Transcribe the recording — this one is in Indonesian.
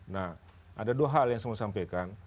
nah ada dua hal yang saya mau sampaikan